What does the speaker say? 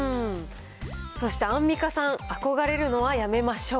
そしてアンミカさん、憧れるのはやめましょう。